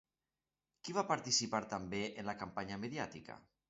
Qui va participar també en la campanya mediàtica?